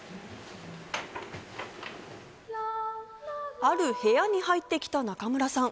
ある部屋に入ってきた中村さん。